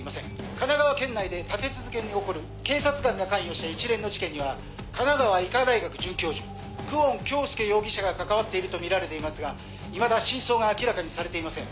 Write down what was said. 神奈川県内で立て続けに起こる警察官が関与した一連の事件には神奈川医科大学准教授久遠京介容疑者が関わっているとみられていますがいまだ真相が明らかにされていません。